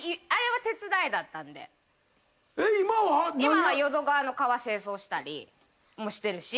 今は淀川の川清掃したりもしてるし。